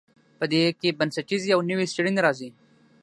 په دې کې بنسټیزې او نوې څیړنې راځي.